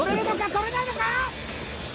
獲れないのか？